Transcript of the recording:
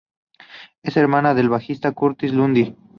Es hermana del bajista Curtis Lundy.